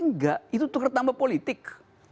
enggak itu tukar tambah politik